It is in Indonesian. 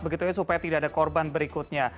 begitunya supaya tidak ada korban berikutnya